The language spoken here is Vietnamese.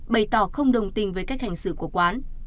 bày tỏ không đồng tình với cách hành xử của quán